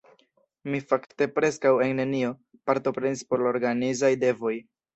Mi fakte preskaŭ en nenio partoprenis pro la organizaj devoj.